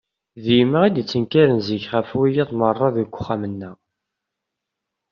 D yemma i d-ittenkaren zik ɣef wiyaḍ merra uxxam-nneɣ.